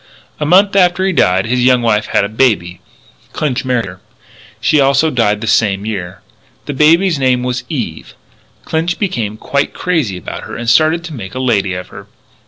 A month after he died his young wife had a baby. Clinch married her. She also died the same year. The baby's name was Eve. Clinch became quite crazy about her and started to make a lady of her.